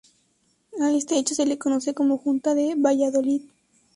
A este hecho se le conoce como Junta de Valladolid.